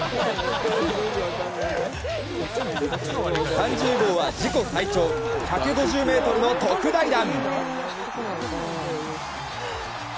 ３０号は自己最長１５０ｍの特大弾。